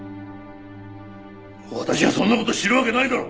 私がそんな事知るわけないだろ！